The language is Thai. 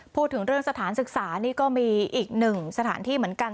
พูดถึงเรื่องสถานศึกษานี่ก็มีอีกหนึ่งสถานที่เหมือนกัน